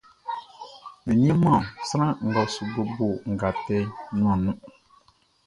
Be nianman sran ngʼɔ su bobo nʼgatɛ nuanʼn nun.